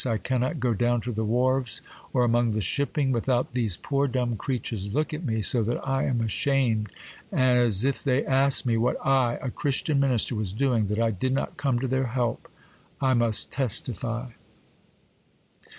I cannot go down to the wharves, or among the shipping, without these poor dumb creatures look at me so that I am ashamed; as if they asked me what I, a Christian minister, was doing, that I did not come to their help. I must testify.